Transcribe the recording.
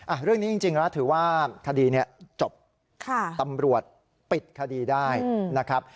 เรื่องนี้จริงแล้วถือว่าคดีเนี้ยจบค่ะตำรวจปิดคดีได้นะครับ